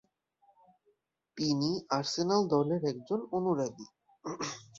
তিনি আর্সেনাল দলের একজন অনুরাগী।